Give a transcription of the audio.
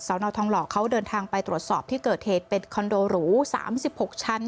เสาหนอทองหลอกเขาเดินทางไปตรวจสอบที่เกิดเหตุเป็นคอนโดหรูสามสิบหกชั้น